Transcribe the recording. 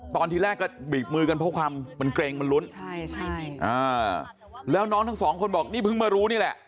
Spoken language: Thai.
ตอนแรกก็บีบมือกันเพราะความมันเกรงมันลุ้นใช่ใช่อ่าแล้วน้องทั้งสองคนบอกนี่เพิ่งมารู้นี่แหละ